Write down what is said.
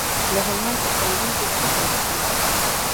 د هلمند په سنګین کې څه شی شته؟